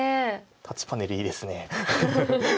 タッチパネルいいですね。